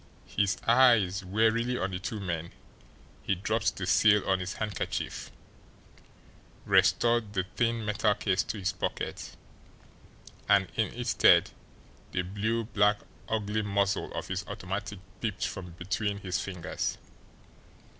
His eyes warily on the two men, he dropped the seal on his handkerchief, restored the thin metal case to his pocket and in its stead the blue black ugly muzzle of his automatic peeped from between his fingers.